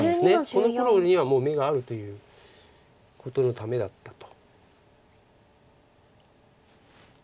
この黒にはもう眼があるということのためだったと。